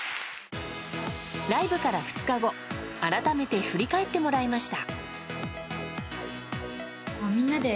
ライブから２日後、改めて振り返ってもらいました。